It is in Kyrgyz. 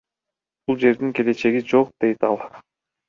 Бул жердин келечеги жок, — дейт ал.